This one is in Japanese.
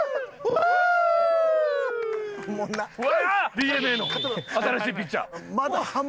ＤｅＮＡの新しいピッチャー。